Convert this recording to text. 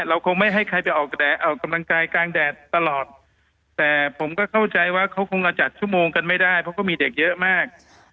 เราคงไม่ให้ใครไปออกกำลังกายกลางแดดตลอดแต่ผมก็เข้าใจว่าเขาคงเราจัดชั่วโมงกันไม่ได้เพราะก็มีเด็กเยอะมาก